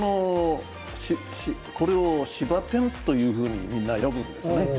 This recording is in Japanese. これをシバテンというふうにみんな呼ぶんですね。